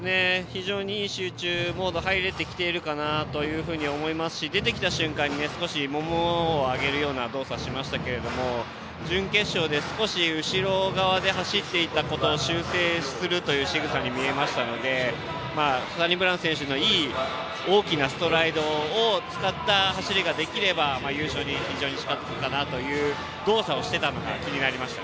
非常にいい集中モードに入れてるかなと思いますし出てきた瞬間にももを上げるような動作をしましたが準決勝で少し後ろ側で走っていたことを修正するというしぐさに見えましたのでサニブラウン選手のいい大きなストライドを使った走りができれば優勝に非常に近づくかなという動作をしていたのが気になりました。